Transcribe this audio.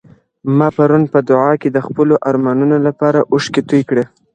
ما پرون په دعا کي د خپلو ارمانونو لپاره اوښکې تویې کړې.